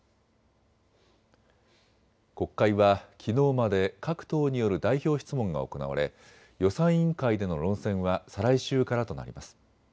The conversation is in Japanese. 国会はきのうまで各党による代表質問が行われ、予算委員会での論戦は再来週からとなります。